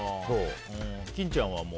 金ちゃんはもう？